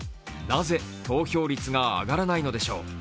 なぜ投票率が上がらないのでしょう。